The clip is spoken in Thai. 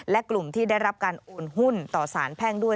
และกลุ่มที่ได้รับการโอนหุ้นต่อสารแพ่งด้วย